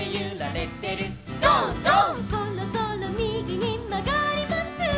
「そろそろみぎにまがります」